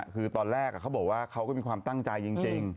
คือตอนแรกเขาบอกว่าเขาก็มีความตั้งใจจริง